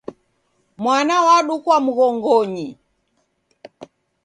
Mwana wadukwa mghongonyi